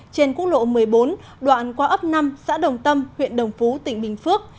trên quốc lộ một mươi bốn đoạn qua ấp năm xã đồng tâm huyện đồng phú tỉnh bình phước